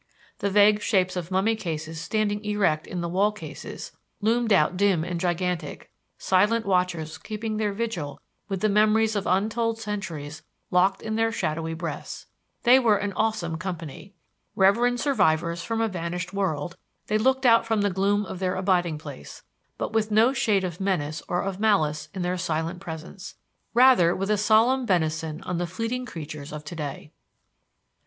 The vague shapes of mummy cases standing erect in the wall cases, loomed out dim and gigantic, silent watchers keeping their vigil with the memories of untold centuries locked in their shadowy breasts. They were an awesome company. Reverend survivors from a vanished world, they looked out from the gloom of their abiding place, but with no shade of menace or of malice in their silent presence; rather with a solemn benison on the fleeting creatures of to day.